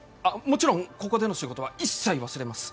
もちろんここでの仕事は一切忘れます